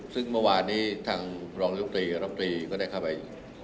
ซึ่งเมื่อวานนี้ทางรองยุบตรีรับตรีก็ได้เข้าไป